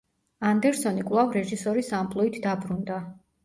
ანდერსონი კვლავ რეჟისორის ამპლუით დაბრუნდა.